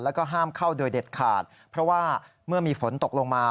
แล้วก็ห้ามเข้าโดยเด็ดขาดเพราะว่าเมื่อมีฝนตกลงมา